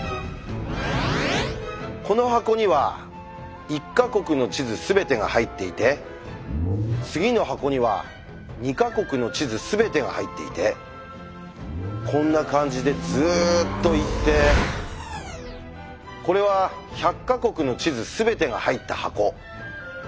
この箱には１か国の地図全てが入っていて次の箱には２か国の地図全てが入っていてこんな感じでずっといってこれは１００か国の地図全てが入った箱。